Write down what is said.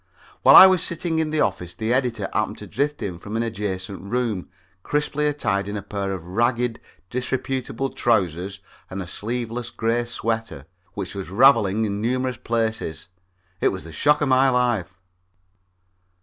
While I was sitting in the office the editor happened to drift in from the adjacent room crisply attired in a pair of ragged, disreputable trousers and a sleeveless gray sweater which was raveling in numerous places. It was the shock of my life.